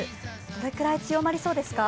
どれくらい強まりそうですか？